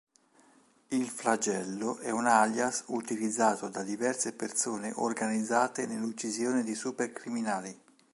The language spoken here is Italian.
Il Flagello è un alias utilizzato da diverse persone organizzate nell'uccisione di supercriminali.